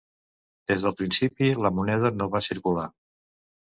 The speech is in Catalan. Des del principi, la moneda no va circular.